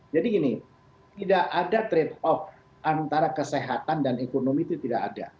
jadi gini tidak ada trade off antara kesehatan dan ekonomi itu tidak ada